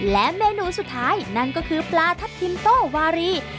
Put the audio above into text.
และเมนูสุดท้ายนั่นก็คือปลาทับทิมโต้วารี